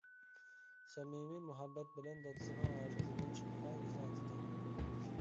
سەمىمىي مۇھەببەت بىلەن دادىسىنىڭ ھاجىتىدىن چىقىشقا ئۆزىنى ئاتىدى.